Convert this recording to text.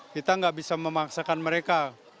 kita nggak bisa memaksakan mereka